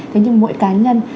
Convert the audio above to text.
thế nhưng mỗi cá nhân